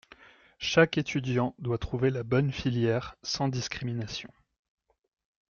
Chaque étudiant doit trouver la bonne filière, sans discrimination.